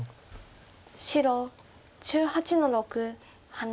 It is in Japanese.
白１８の六ハネ。